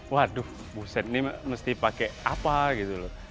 waduh buset ini mesti pakai apa gitu loh